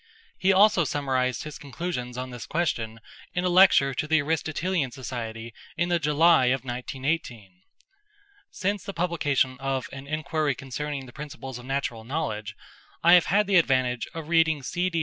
He also summarised his conclusions on this question in a lecture to the Aristotelian Society in the July of 1918. Since the publication of An Enquiry concerning the Principles of Natural Knowledge I have had the advantage of reading Mr C.